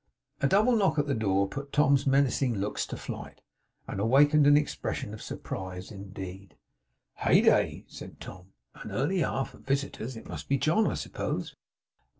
A short double knock at the door put Tom's menacing looks to flight, and awakened an expression of surprise instead. 'Heyday!' said Tom. 'An early hour for visitors! It must be John, I suppose.